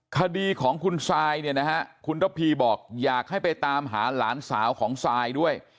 คดีของคุณซายเนี่ยนะฮะคุณระพีบอกอยากให้ไปตามหาหลานสาวของซายด้วย